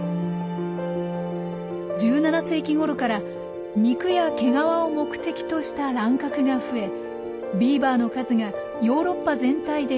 １７世紀ごろから肉や毛皮を目的とした乱獲が増えビーバーの数がヨーロッパ全体で激減。